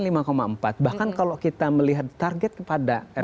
tapi kan kalau kita melihat target pada rpjm